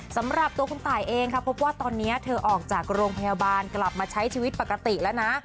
สำหรับตัวคุณตายเองค่ะพบว่าตอนนี้เธอออกจากโรงพยาบาลกลับมาใช้ชีวิตปกติแล้วนะ